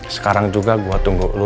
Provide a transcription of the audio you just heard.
sekarang juga gue tunggu dulu